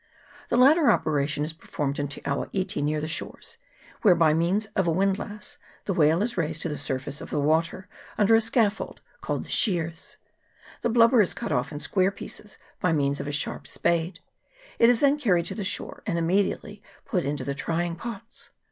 The latter operation is performed in Te awa iti near the shores, where by means of a windlass the whale is raised to the surface of the water under a scaffold called the " shears." The blubber is cut off in square pieces by means of a sharp spade ; it is then carried to the shore, and immediately put into the trying pots.